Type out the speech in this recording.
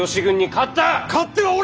勝ってはおらん！